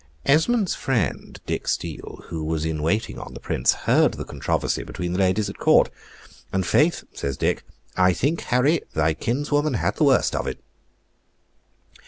Esmond's friend, Dick Steele, who was in waiting on the Prince, heard the controversy between the ladies at court. "And faith," says Dick, "I think, Harry, thy kinswoman had the worst of it."